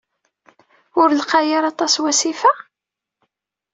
Ur lqay ara aṭas wasif-a?